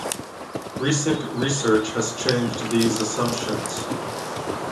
Recent research has changed these assumptions.